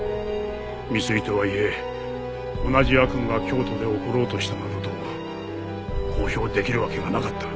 未遂とはいえ同じ悪夢が京都で起ころうとしたなどと公表できるわけがなかった。